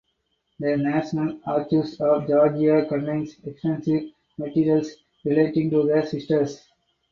The National Archives of Georgia contain extensive materials relating to the sisters.